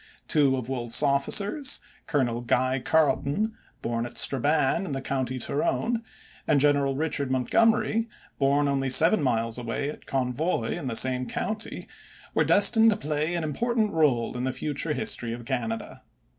Two of Wolfe's officers, Colonel Guy Carleton, born at Strabane in the county Tyrone, and General Richard Montgomery, born only seven miles away at Convoy, in the same county, were destined to play an important role in the future history of Canada.